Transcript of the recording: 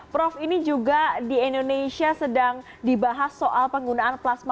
prof ini juga di indonesia sedang dibahas soal penggunaan plasma